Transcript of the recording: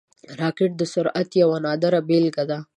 راکټ د سرعت یوه نادره بیلګه ده